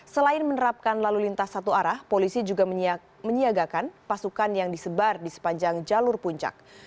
selain menerapkan lalu lintas satu arah polisi juga menyiagakan pasukan yang disebar di sepanjang jalur puncak